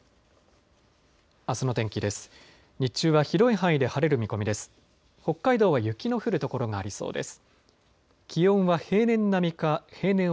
あすの天気です。